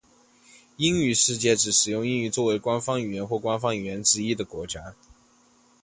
英语世界指使用英语作为官方语言或官方语言之一的国家。